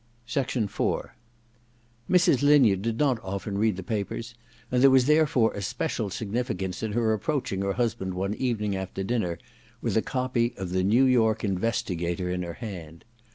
s IV Mrs. Lin yard did not often read the papers ; and there was therefore a special significance in her approaching her husband one evening after dinner with a copy of the New Tork Investigator in her hand.